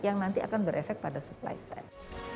yang nanti akan berefek pada supply side